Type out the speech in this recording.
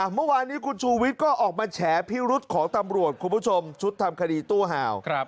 เมื่อวานนี้คุณชูวิทย์ก็ออกมาแฉพิรุษของตำรวจคุณผู้ชมชุดทำคดีตู้ห่าว